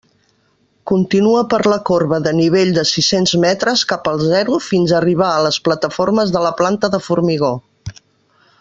Continua per la corba de nivell de sis-cents metres cap al zero fins a arribar a les plataformes de la planta de formigó.